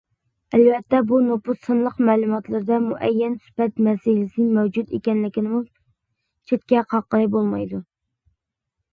ئەلۋەتتە، بۇ نوپۇس سانلىق مەلۇماتلىرىدا مۇئەييەن سۈپەت مەسىلىسى مەۋجۇت ئىكەنلىكىنىمۇ چەتكە قاققىلى بولمايدۇ.